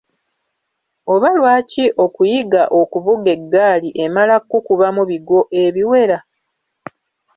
Oba lwaki okuyiga okuvuga eggaali emala kukubamu biggwo ebiwera?